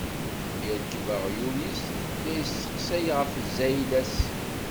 Irkeb aɣyul-is, la isteqsay ɣef zzayla-s.